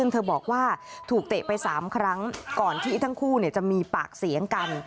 เธอบอกว่าถูกเตะไป๓ครั้งก่อนที่ทั้งคู่จะมีปากเสียงกัน